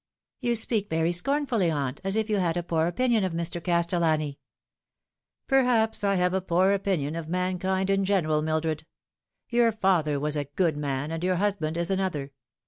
" You speak very scornfully, aunt, as if you had a poor opinion of Mr. Castellani." " Perhaps I have a poor opinion of mankind in general, Mildred. Your father was a good man, and your husband is another.